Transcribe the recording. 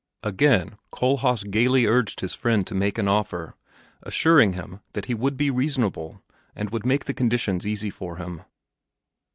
Again Kohlhaas gaily urged his friend to make an offer, assuring him that he would be reasonable and would make the conditions easy for him.